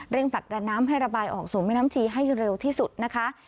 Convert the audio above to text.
ผลักดันน้ำให้ระบายออกสู่แม่น้ำชีให้เร็วที่สุดนะคะ